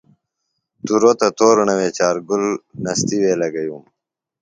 توروۡ تہ تورݨہ وے چار گُل نستیے لگئیوم۔